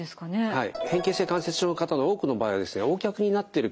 はい。